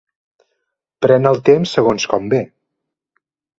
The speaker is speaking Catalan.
Pren el temps segons com ve.